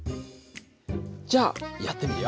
じゃあやってみるよ。